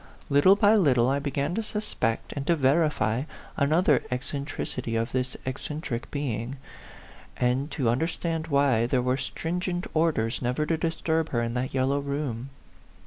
Little by little I began to suspect and to verify another ec centricity of this eccentric being, and to un derstand why there were stringent orders never to disturb her in that yellow room.